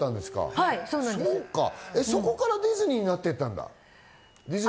そこからディズニーになって言ったんだ。